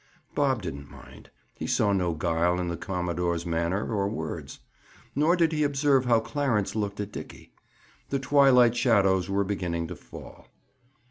Bob didn't mind. He saw no guile in the commodore's manner or words. Nor did he observe how Clarence looked at Dickie. The twilight shadows were beginning to fall.